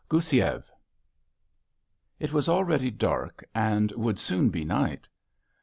GOUSSIEV It was already dark and would soon be night.